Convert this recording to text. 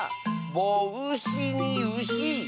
「ぼうし」に「うし」。